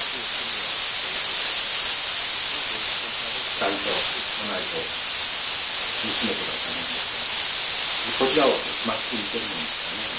光と家内と娘とがいたもんですからこちらをまっすぐ見てるもんですからね